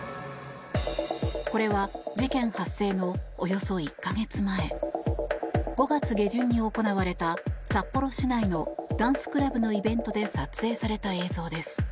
これは事件発生のおよそ１か月前５月下旬に行われた札幌市内のダンスクラブのイベントで撮影された映像です。